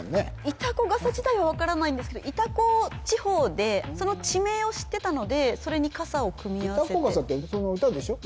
潮来笠自体は分からないんですけど潮来地方でその地名を知ってたのでそれに笠を組み合わせて潮来笠ってその歌でしょ？